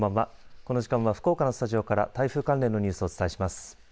この時間は福岡のスタジオから台風関連のニュースをお伝えします。